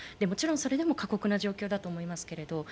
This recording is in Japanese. もちろんそれでも過酷な状況だと思いますけれど。